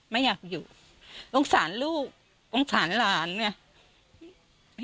ไม่อยากอยู่ต้องสารลูกต้องสารหลานเนี่ย